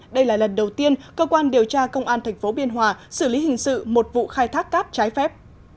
đây là lần đầu tiên cơ quan điều tra công an tp biên hòa xử lý hình sự một vụ khai thác cát trái phép